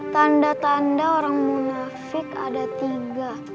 tanda tanda orang munafik ada tiga